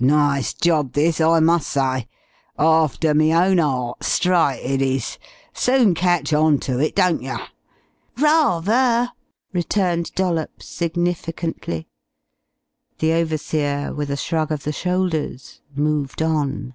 "Nice job this, I must sy. Arfter me own 'eart, strite it is. Soon catch on to it, don't yer?" "Ra ther!" returned Dollops significantly. The overseer, with a shrug of the shoulders, moved on.